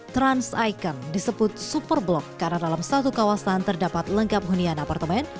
trans icon disebut super blok karena dalam satu kawasan terdapat lengkap hunian apartemen